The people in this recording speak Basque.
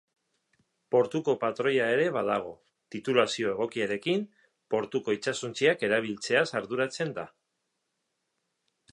Portuko-patroia ere badago, titulazio egokiarekin, portuko itsasontziak erabiltzeaz arduratzen da.